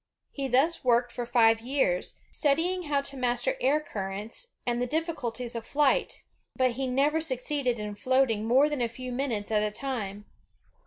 He thus worked for five years, studying how to master air currents and the diffi culties of flight; but he never succeeded in floating more than a few minutes at a time.